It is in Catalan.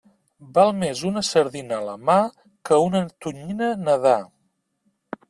Val més una sardina a la mà que una tonyina nedar.